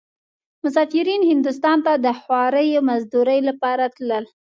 مسافرين هندوستان ته د خوارۍ مزدورۍ لپاره تلل.